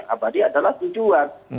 abadi adalah tujuan